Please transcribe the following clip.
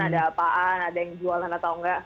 ada apaan ada yang jualan atau enggak